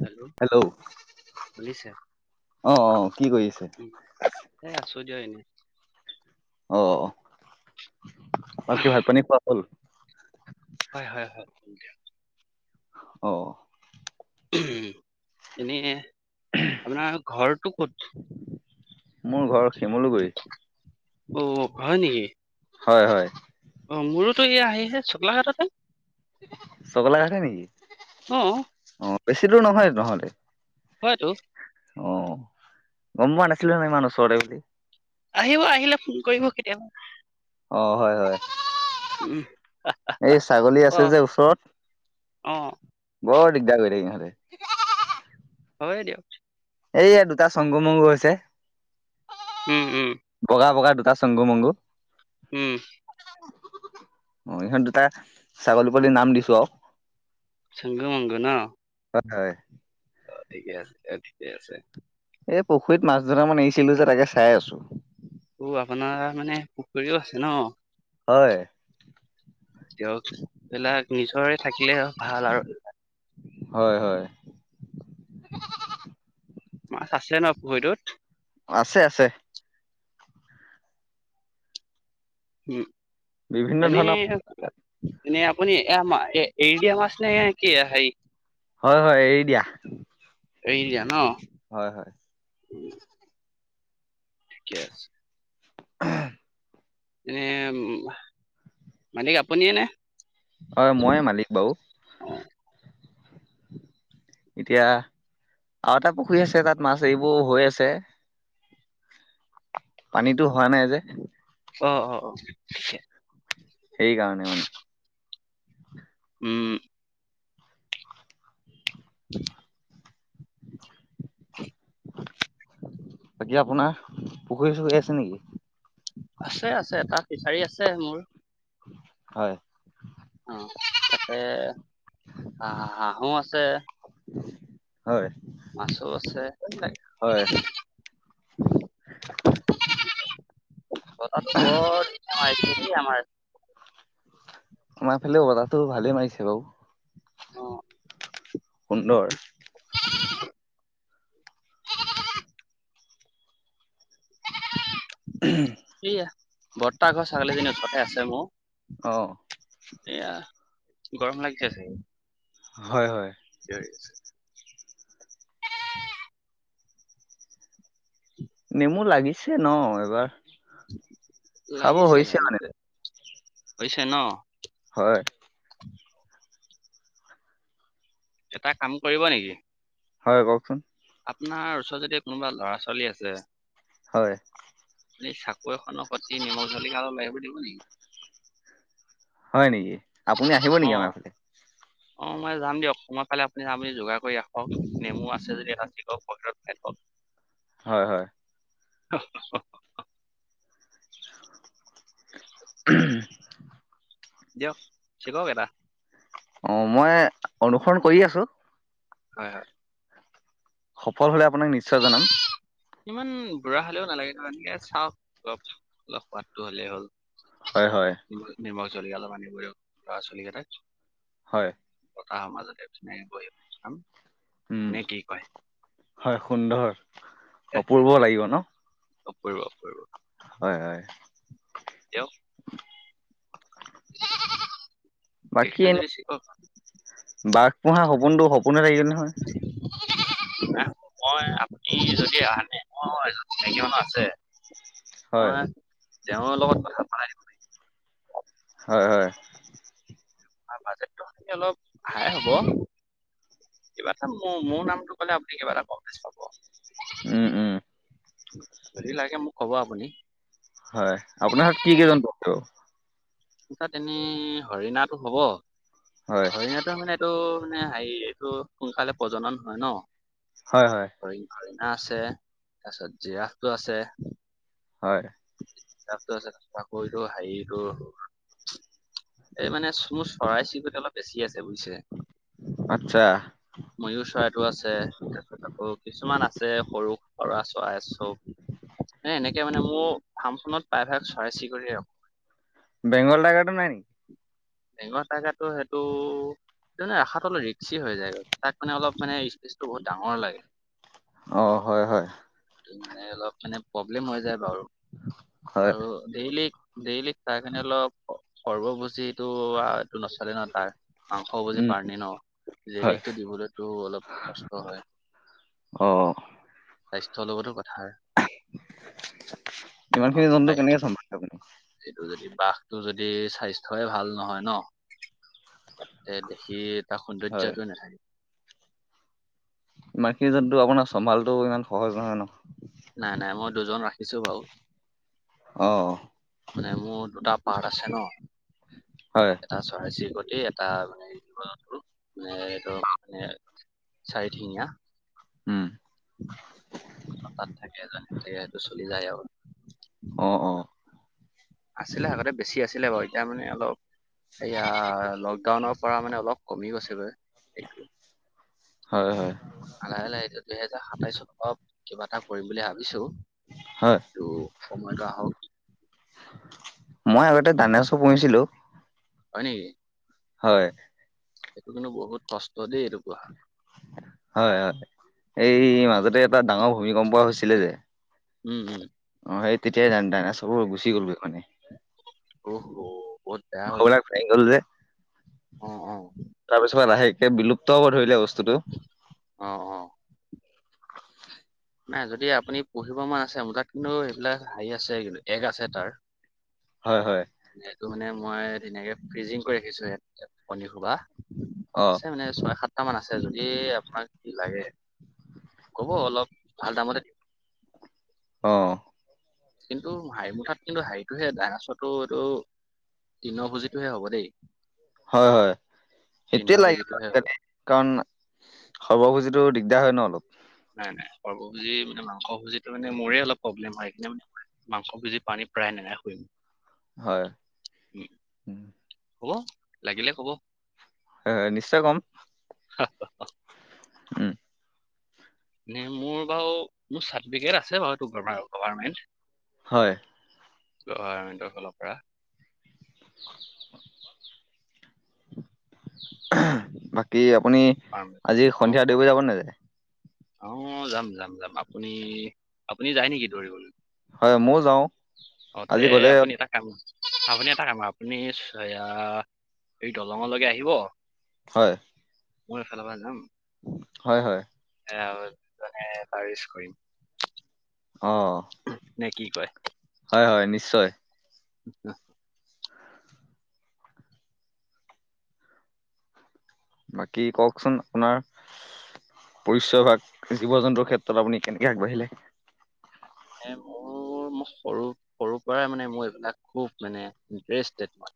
Hello বহিছে। অ-অ কি কৰি আছে। এ আছো দিয় এনেই অ আৰু কি ভাত পানী খোৱা হ'ল। হয়-হয়-হয়। অ। এনেই আপোনাৰ ঘৰটো ক'ত। মোৰ ঘৰ। শিমলুগুৰি অ হয় নেকি। হয়-হয়। অ মোৰোতো এয়া হেয়িহে চোকলাঘাটতে। চকলা ঘাটে নেকি অ অ বেছি দূৰ নহয় নহলে। হয়টো। অ গম পোৱা নাছিলো ন ইমান ওচৰতে বুলি। আহিব আহিলে ফোন কৰিব কেতিয়াবা। অ হয়-হয়। উম এই ছাগলী অ আছে যে ওচৰত। অ বৰ দিগদাৰ কৰি থাকে ইহতে। হয় দিয়ক। এইয়া দুটা চংগু মংগু হৈছে উম উম বগা বগা দু। তা চগু মংগু। উম। অ ইহঁত দুটা ছাগলী পোৱালীৰ নাম দিছো আৰু। চেংগু হয়-হয়। অ ঠিকে আছে ঠিকে আছে। এই পুখুৰীত মাছ দুটা মান এৰিছিলো যে তাকে চাই আছো। অ আপোনাৰ মানে পুখুৰীও আছে ন। হয় তেওঁক এইবিলাক নিজৰে থাকিলে ভাল আৰু। হয়-হয়। মাছ আছে ন পুখুৰীটোত। আছে-আছে। উম বিভিন্ন এনে। ধৰণৰ নে আপুনিম এফা এ-এ এৰি দিয়া মাছ নে কি সেই। হয়-হয় এৰি দিয়া। এৰি দিয়া ন হয়-হয়। ঠিকে আছে। এ হ [unintelligible] এ মালিক আপুনিয়ে নে। হয় ময়ে মালিক বাও। অ এতিয়া আৰু এটা পুখুৰী আছে তাত মাছ এৰিবোৰ হৈ আছে। পানীতো হোৱা নাই যে। অ-অ-অ। সেইকাৰণে মানে। উম [inaudible] [inaudible] বাকী আপোনাৰ পুখুৰী চুখুৰী আছে নেকি? [unintelligible] আছে আছে এটা ফিচাৰী আছে মোৰ হয় অ তাতে হা হাঁহো আছে। [inaudible] মাছো আছে হয় [inaudible] বতাতু বৰ দিগদাৰ মাৰিছে দেই আমাৰ। [unintelligible] আমাৰ ফালে উলাটো ভালে মাৰিছে বাও। [unintelligible] অ সুন্দৰ সয়া বৰ্তা ঘৰ ছাগলী খিনীৰ ওচৰৰততে আছে মোৰ। [unintelligible] অ এয়া গৰম লাগিছে চাগে। হয় হয় [inaudible] নেমু লাগিছে, ন এবাৰ। খাব লাগিছে হৈছে মানে লাগিছে, হৈছে ন? হয় এটা কাম কৰিব নেকি? হয় কওকচোন। আপোনাৰ ওচৰত যদি কোনোবা ল'ৰা ছোৱালী আছে, হয় এই চাকো এখনৰ সতি নিমখ জলিকা অলপ লৈ আহিব দিব নেকি। [unintelligible] হয় নেকি, আপুনি আহিব নেকি অ', আমাৰ ফালে? অ মই যাম দিয়ক, মই কাইলে আপুনি যাম যোগাৰ কৰি ৰাখক, নেমু আছে যদি এটা [unintelligible] [inaudible] হয় হয় অ হ‌ হ [unintelligible] [inaudible] দিওক চিকক এটা। অ মই অনুসৰণ কৰি আছো। হয় হয় ফল হলে আপোনাক নিশ্চয় জনাম। ইমান বুঢ়া হলেও নালাগে ধুনীয়া চাওক অলপ অলপ সোৱাদটো হলে হ'ল। হয় হয় নিমখ নিমখ জলকীয়া অলপ আনিব দিয়ক লৰা ছোৱালী কেইটাক। হয় কামৰ মাজতে ধুনীয়াকে কৰি খাম। উম, নে কি কয় হয় সুন্দৰ, অপূৰ্ব লাগিব ন? অপূৰ্ব অপূৰ্ব। হয় হয় দিয়ক বাকী দেখিছে এনে, যদি ছিগক বা পোহা সপোনটো সপোনে থাকিল নহয়। না মই। [unintelligible] কাহানী মই এজনী মাইকী মানুহ আছে। হয় তেওঁৰ লগত কথা পতাই হয় হয় বাজেটটো শুনি অলপ হাই হ'ব। কিবা এটা মোৰ মোৰ নামটো কলে আপুনি কিবা এটা কম পাব। উম উম যদি লাগে মোক ক'ব আপুনি। হয় আপোনাৰ ঘৰত কি কি জন্তু আছে বাও। তাত এনেই হৰিণাটো হব হয় হৰিণাটো মানে এইটো। মানে হে এইটো সোনকালে প্ৰজনন হয় ন হয় হয় হৰিণ - হৰিণ। হা তাৰ পিছত জিৰাফটো আছে। হয়। টো আছে তা পাছত আক এটো হেৰি টো। এই মানে চোৰ চৰাই চিৰিকটো অলপ বেছি আছে বুজিছে। আচ্ছা। ময়ুৰ চৰাইটো আছে তাৰপিছত আকৌ কিছুমান আছে সৰু সৰা চৰাই চব। এ এনেকে মানে মোৰ ফাৰ্ম খনত প্ৰায়ভাগ চৰাই চিৰিকতিয়ে ৰাখো। বেংগল টাইগাৰ টো নাই নেকি। বেইংগল টাইগাৰ টো সেইটো। সে ৰাখাটো অলপ ৰিক্সি হৈ যায়গ তাত কাৰণে অলপ মানে স্পেচটো বহুত ডাঙৰ লাগে। অ হয়- হয়। নে অলপ মানে প্ৰব্লেম হৈ যায় বাৰু হয় আৰু ডেইলি- ডেইলি। তাহ খিনি অলপ সৰ্ব ভুজিত। টো এইটো নচলে ন তাৰ মাংস ভুজী উম প্ৰাণী ন। হয় লেকটো দিবলৈতো অলপ কষ্ট হয়। অ। চলতো কথা। অ ইমানখিনি জন্তু বায় কেনেকে চম্ভালে আপুনি সেইটো যদি বাঘ। ত যদি স্বাস্থ্যই ভাল নহয় ন। এ দেখি তাৰ হয় সৌন্দৰ্যটো নাথাকে। ইমানকিন যটো আপোনাৰ চম্ভালটো ইমান সহজ নহয় ন। দিছো ভাও। আহ। মানে মোৰ দুটা পাৰ্ট আছে ন হয় এটা চৰাই চিৰিকটি এ। টা মানে জীৱ জ ম এইটো মানে চাৰিঠেঙীয়া উম তাত থাকে সেইটো চলি যায় আৰু। অ অ। আছিলে আগতে বেছি আছিলে বাৰু এতিয়া মানে অলপ। এয়া লকডাউনৰ পৰা মানে অলপ কমি গৈছেগৈ এইটো। হয়- হয়। ল লাহে ল লাহে এতিয়া দুহেজাৰ সাতাইশত অলপ কিবা এটা কৰিম বুলি ভাবিছো। হয়। অ। মই আগতে দানেছ পঢ়িছিলো। হয় নেকি। হয়। এইটো কিন্তু বহুত কষ্ট দেই এইটো পূহা। হয়- হয় এই মাজতে এটা ডাঙৰ ভূমিকম্প হৈছিলে যে। উম- উম। অ সেই তেতিয়াই দায় দায়নেশ বোৰ গুছি গুছি গলগে ক্ষয়নে। অহ অ। বহুত বেয়া হৈছে ঘৰবিলাক ফঙি গল যে অ অ তাৰপিছত আহে একে বিলুপ্ত হব ধৰিলে বস্তু। অঁ অঁ। নাই যদি আপুনি পঢ়িব মান আছে মোৰ তাত কিন্তু এইবিলাক হেৰি আছে এগ আছে তাৰ। হয়- হয়। এইটো মানে মই ধুনীয়াকে ফ্ৰিজিং কৰি ৰাখিছো ইয়াত কণী খোবা অ আছে মানে ছয় সাত। কটামান আছে যদি আপোনাক কি লাগে কব অলপ। ভাল দামতে দিম। অহঁ। কিন্তু হাঁৰি মুঠত কিন্তু হেৰিটোহে তাৰাছতো এইটো। তিনৰ পুজিটোহে হ'ব দেই। হয় হয় তৃণ সেইটোৱে লাগে ভোজিটোহে হ'ব আজিকালি কাৰণ। সৰ্বভুজীতো দিগদাৰ হয় ন অলপ। নাই নাই সৰ্বভুজি মানে মাংস ভোজিতটো মানে মোৰে অলপ প্ৰব্লেম হয় সেইে মানে মাংস ভুজি পানী। প্ৰায় নোই শুম। হয়। হ'ব লাগিলে কব। হয় নিশ্চয় কম। হ, হ। উম। এ মোৰ বাৰু মোৰ চাৰ্টিফিকেট আছে বাৰু গৰ্ভামেনট। হয়। লভাৰমেণ্টৰ ফালৰ পৰা। বাকী। আপুনি আজি সন্ধিয়া অ দুই বজাব নেযায়। অ যাম যাম যাম আপুনি আপুনি যায় নেকি দৌৰিবলৈ। হয় ময়ো যাওঁ অ আজি তে গ'লে আপুনি এটা কাম। আপুনি এটা কাম আপুনিয়া এই দলঙলৈকে আহিব। হয়। মইফালৰ পৰা যাম। হয় হয়। দুজনে তাৰ কৰিম। অহ। নে কি কয়। হয় হয় নিশ্চয়। আ বাকী কওকচোন আপোনাৰ পৰিচয় ভাগ, জীৱ জন্তুৰ ক্ষেত্ৰত আপুনি কেনেকে আগবাঢ়িলে? মানে মোৰ ম সৰু সৰুৰ পৰাই মানে মোৰ এইবিলাক খুব মানে ইটাৰেষ্টেড মই।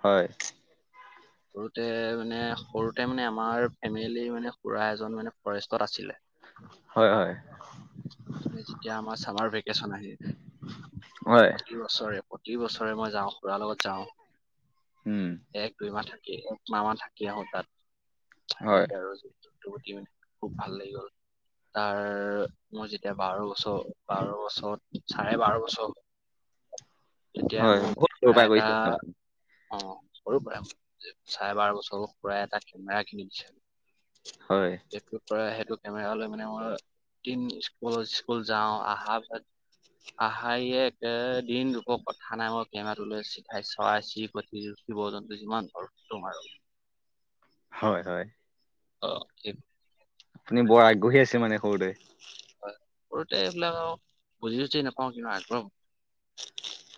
হয়। সৰুতে মানে সৰুতে মানে আমাৰ ফেমিলি মানে খুৰা এজন মানে ফৰেষ্টত আছিলে। হয় হয়। যেতিয়া আমাৰ চামাৰ ভেকেচন আহে, হয় প্ৰতি বছৰে প্ৰ তি বছৰে মই যাওঁ খুৰাৰ লগত যাওঁ, উম এক দুই মাহ থা একমাহ মান থাকি আহো তাত হয় সেনেকে আৰু প্ৰতি মানে খুব ভাল লাগি গ'ল। তাৰ মোৰ যেতিয়া বাৰ বছৰ বাৰ বছৰত চাৰে বাৰ বছৰ হল। হয়, বহুত সৰু পৰা এটা গৈছে তেঁও। অ সৰুৰ পৰাই, চাৰে বাৰ বছৰ পৰাই এটা কেমেৰা কিনি দিছে। হয় এইটোৰ পৰা সেইটো কেমেৰা লৈ মানে মই তি স্কুলত স্কুল যাওঁ অহাৰ পিছত আহা য়েক এ দিন ৰূপক কথা নাই মই কেমেৰাটো লৈ চিধাই চৰাই -চিৰিকতি, জীৱ -জন্তু যিমান পাৰো তো মাৰো। হয় হয়। অ। আপুনি বৰ আগ্ৰহী আছে মানে সৰুতে। হয় সৰুতে এইবিলাক বুজি চুজি নাপাওঁ কিন্তু আগ্ৰহ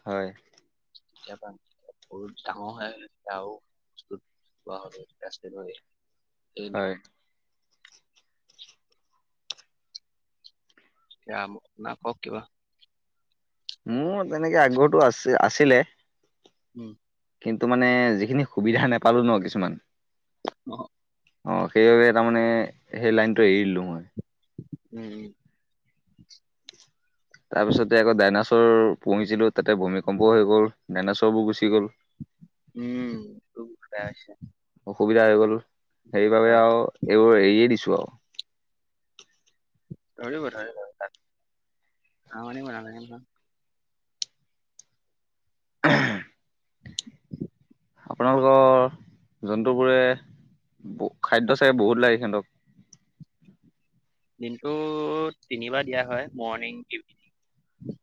হয়। কেতিয়াবা বহুত ডাঙৰ হৈ তেতিয়া আৰু [unintelligible] এতিয়া হয়। [inaudible] যাম না কক কিবা? মোৰ তেনেকে আগ্ৰহটো আছিল আছিলে উম। কিন্তু মানে যিখিনি সুবিধা নাপালো ন কিছুমান অ। অ সেইবাবে তাৰমানে সেই লাইনটো এৰি দিলো মই। উম উম। তাৰ পিছতে আকৌ ডাইনাছৰ পুহিছিলো তাতে ভূমিকম্প হৈ গ'ল। ডাইনাচৰবোৰ গুচি গ'ল। উম তোক ঘুৰাই আছে। অসুবিধা হৈ গ'ল সেইবাবে হয় আৰু এইবোৰ এৰিয়ে দিছো আৰু। বান বন [unintelligible] [inaudible] [inaudible] আপোনালোকৰ জন্তুবোৰে ব খাদ্য চাগে বহুত লাগে সিহঁতক? দিনটো তিনিবাৰ দিয়া হয় মৰ্ণিং, ইভিনি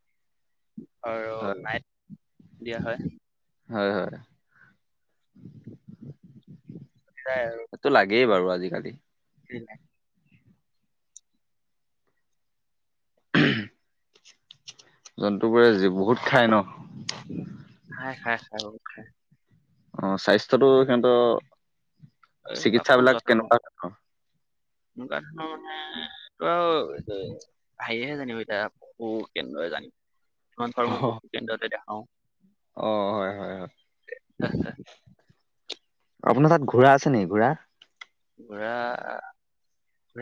আৰু হয় নাইট দিয়া হয়। হয় হয়। তাই আৰু। দিয়ে বাৰু আজিকালি। দিলা? উহুম। জন্তু বোৰে বহুত খাই ন'? খায়- খায় বহুত খায়। অহ, স্বাস্থ্যটো সিহঁতৰ এইবিলাক চিকিৎসা খুব বিলাক যতন লয় কেনেকুৱা ধৰণৰ এনেকুৱা ধৰণৰ মানে তো আৰু [unintelligible] [unintelligible] যিমান পাৰোঁ মই পশু কেন্দ্ৰতে দেখাওঁ। অহ, হয় -হয় - হয়। [unintelligible] আপোনাৰ তাত ঘোঁৰা আছে নেকি ঘোঁৰা? ঘোঁৰা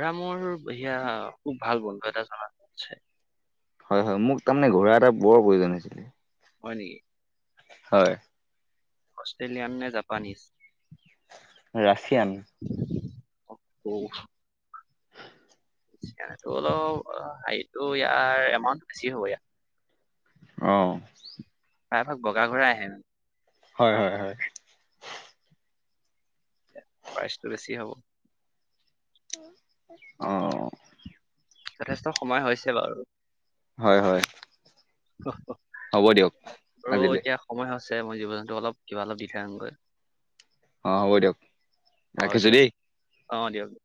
ৰা মোৰ হিয়া খুব ভাল বন্ধু এটা জনাত আছে হয় -হয় মোক তাৰমানে ঘোঁৰা এটা বৰ প্ৰয়োজন হৈছিলে। হয় নেকি। হয়। অষ্ট্ৰেলিয়ান নে জাপানীজ? ৰাছিয়ান। অহ -ঔ। টো অলপ হাইটো ইয়াৰ এমাউন্ট বেছি হ'ব ইয়া অহ', প্ৰায় ভাগ বগা ঘূৰাই আহে ন '? হয় -হয় -হয় প্ৰাইচটো বেছি হব। অহ ', যথেষ্ট সময় হৈছে বাৰু হয় -হয় অহ -হহ হ'ব দিয়ক আজিলে। ছে মই জীৱ- জন্তুক অলপ কিবা অলপ দি থৈ আহুঙগৈ। অহ, হ'ব দিয়ক ৰাখিছো দেই। অহ, দিয়ক- দিয়ক।